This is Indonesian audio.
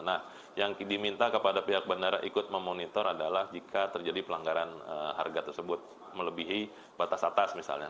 nah yang diminta kepada pihak bandara ikut memonitor adalah jika terjadi pelanggaran harga tersebut melebihi batas atas misalnya